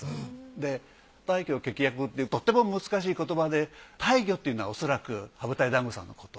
で大魚躍ってとっても難しい言葉で「大魚」っていうのはおそらく羽二重団子さんのこと。